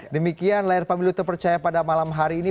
demikian layar pemilu terpercaya pada malam hari ini